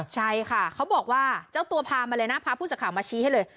ใช่ค่ะเขาบอกว่าเจ้าตัวพามาเลยนะพาผู้สื่อข่าวมาชี้ให้เลย